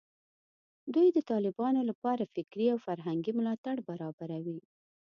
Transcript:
دوی د طالبانو لپاره فکري او فرهنګي ملاتړ برابروي